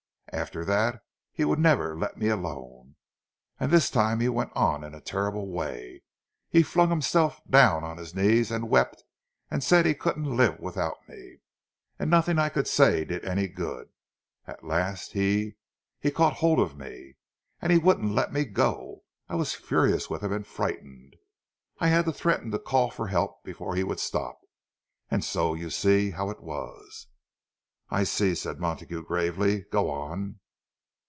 After that he would never let me alone. And this time he went on in a terrible way—he flung himself down on his knees, and wept, and said he couldn't live without me. And nothing I could say did any good. At last he—he caught hold of me—and he wouldn't let me go. I was furious with him, and frightened. I had to threaten to call for help before he would stop. And so—you see how it was." "I see," said Montague, gravely. "Go on."